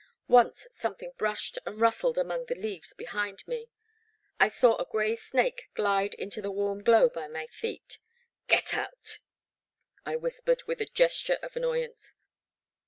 Once some thing brushed and rustled among the leaves behind me, and I saw a grey snake glide into the warm glow by my feet. Get out," I whispered, with a gesture of an noyance.